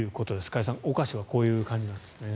加谷さん、お菓子はこういう感じなんですね。